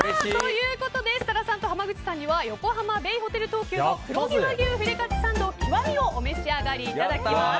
設楽さんと濱口さんには横浜ベイホテル東急の黒毛和牛フィレカツサンド極をお召し上がりいただきます。